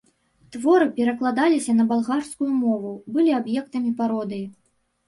Творы перакладаліся на балгарскую мову, былі аб'ектамі пародыі.